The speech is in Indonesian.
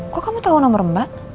kok kamu tau nomer mbak